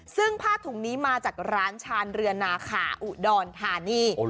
ซึ่งผ้าถุงนี้มาจากร้านชาญเรือนาขาอุดรธานี